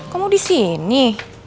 kok mau di sini